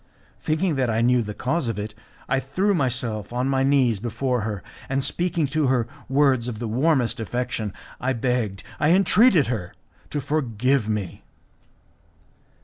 Thinking that I knew the cause of it, I threw myself on my knees before her, and speaking to her words of the warmest affection I begged, I entreated her, to forgive me.